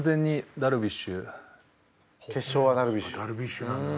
ダルビッシュなんだな。